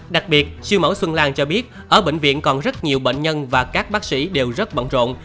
đặc biệt siêu mẫu xuân lan cho biết ở bệnh viện còn rất nhiều bệnh nhân và các bác sĩ đều rất bận rộn